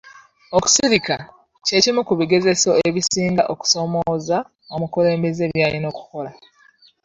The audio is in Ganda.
Okusirika kye kimu ku bigezeso ebisinga okusoomooza omukulembeze by'alina okukola.